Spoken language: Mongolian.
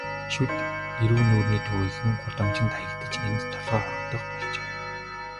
Шүд эрүү нүүрний төвийнхөн гудамжинд хаягдаж, энд толгой хоргодох болжээ.